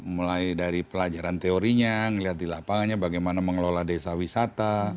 mulai dari pelajaran teorinya ngelihat di lapangannya bagaimana mengelola desa wisata